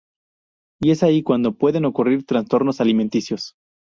Y es ahí cuando pueden ocurrir trastornos alimenticios.